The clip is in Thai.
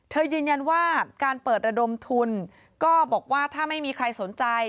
ยืนยันว่าการเปิดระดมทุนก็บอกว่าถ้าไม่มีใครสนใจ